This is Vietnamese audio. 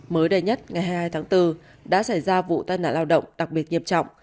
mới đây nhất ngày hai mươi hai tháng bốn đã xảy ra vụ tai nạn lao động đặc biệt nghiêm trọng